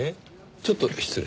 ちょっと失礼。